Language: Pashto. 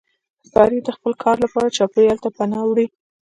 ښکاري د خپل ښکار لپاره چاپېریال ته پناه وړي.